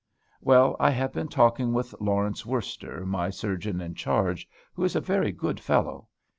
Well, I have been talking with Lawrence Worster, my Surgeon in Charge, who is a very good fellow.